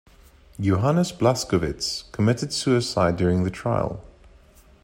Johannes Blaskowitz committed suicide during the trial.